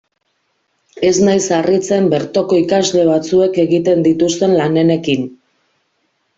Ez naiz harritzen bertoko ikasle batzuek egiten dituzten lanenekin.